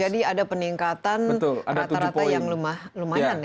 jadi ada peningkatan rata rata yang lumayan ya